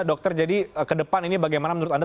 dokter jadi ke depan ini bagaimana menurut anda